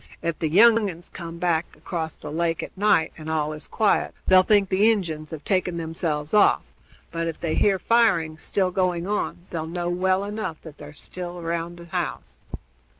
Ef the young uns come back across the lake at night, and all is quiet, they'll think the Injuns have taken themselves off; but, if they hear firing still going on, they'll know well enough that they're still around the house."